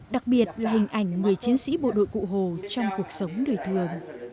đặc biệt là hình ảnh người chiến sĩ bộ đội cụ hồ trong cuộc sống đời thường